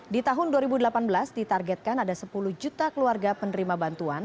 di tahun dua ribu delapan belas ditargetkan ada sepuluh juta keluarga penerima bantuan